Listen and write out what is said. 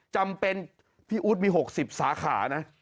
จำเป็นพี่อู๊ดมี๖๐สาขานะ